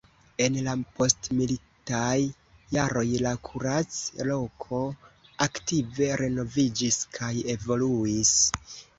En la postmilitaj jaroj la kurac-loko aktive renoviĝis kaj evoluis.